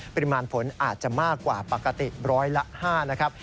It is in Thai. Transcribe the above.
ปริมาณฝนอาจจะมากกว่าปกติร้อยละ๕นะครับ